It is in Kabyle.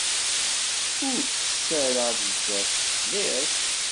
Ur tess ara bezzaf, tesliḍ?